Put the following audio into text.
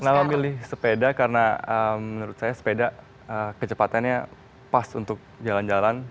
kenapa milih sepeda karena menurut saya sepeda kecepatannya pas untuk jalan jalan